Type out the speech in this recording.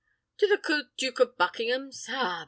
"To the coot Duke of Buckingham's? Ah!